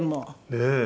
ねえ。